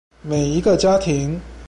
每一個家庭